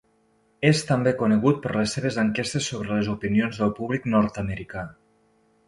És també conegut per les seves enquestes sobre les opinions del públic nord-americà.